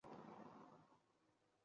Hammasi bo`lib mingta